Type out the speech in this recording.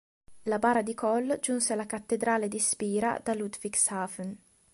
La bara di Kohl giunse alla cattedrale di Spira da Ludwigshafen.